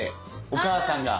お母さんが。